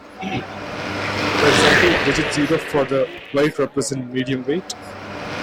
For example, digit zero for the weight represents medium weight.